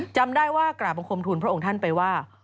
จำได้ว่ากราบบังคมทุนพระองค์ท่านไปว่า